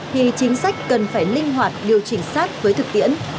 thì chính sách cần phải linh hoạt điều chỉnh sát với thực tiễn